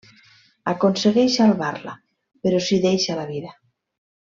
Aconsegueix salvar-la, però s'hi deixa la vida.